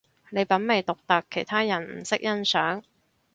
你品味獨特，其他人唔識欣賞